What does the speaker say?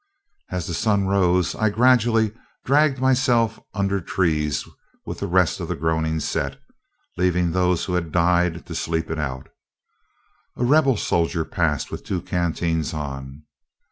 As the sun rose, I gradually dragged myself under trees with the rest of the groaning set, leaving those who had died to sleep it out. A rebel soldier passed with two canteens on.